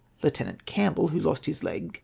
Lieu tenant Campbell, who lost his leg, 40